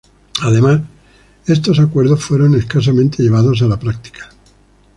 Además, estos acuerdos fueron escasamente llevados a la práctica.